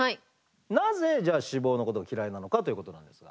なぜ脂肪のことを嫌いなのかということなんですが。